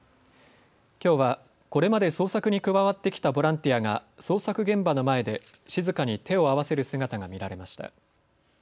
きょうはこれまで捜索に加わってきたボランティアが捜索現場の前で静かに手を合わせる姿が見られました。